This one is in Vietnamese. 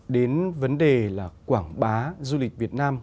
đến vấn đề là quảng bá du lịch việt nam